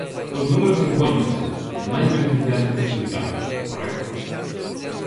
Os números impóñense: máis beneficiados que prexudicados, correcto.